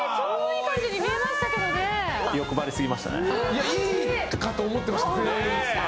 いやいいかと思ってました全員。